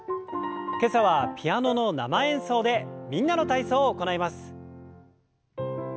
今朝はピアノの生演奏で「みんなの体操」を行います。